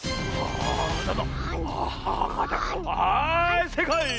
はいせいかい！